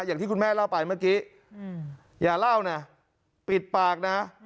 อย่างที่คุณแม่เล่าไปเมื่อกี้อย่าเล่านะปิดปากนะ